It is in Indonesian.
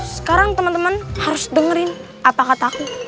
sekarang teman teman harus dengerin apa kataku